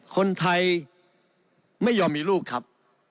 คนไทยไม่ยอมมีลูกครับ